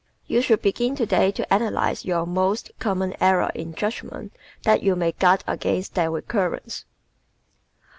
You should begin today to analyze your most common errors in judgment that you may guard against their recurrence.